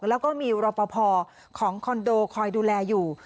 แล้วก็มีรอปภของคอนโดคอยดูแลอยู่